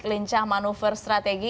lincah manuver strategi